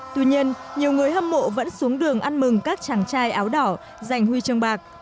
tuy nhiên nhiều người hâm mộ vẫn xuống đường ăn mừng các chàng trai áo đỏ giành huy chương bạc